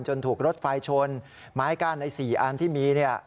จนถูกรถไฟชนไม้กั้นไอ้๔อันที่มี